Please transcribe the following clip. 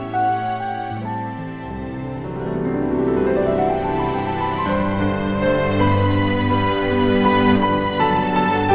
ya dulu nanti saatnya kamu jalan moreco